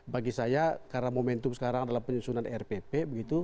bagi saya karena momentum sekarang adalah penyusunan rpp